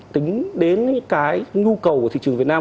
tính đến nhu cầu của thị trường việt nam